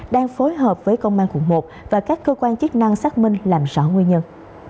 đang phối hợp với công an quận một và các cơ quan chức năng xác minh làm rõ nguyên nhân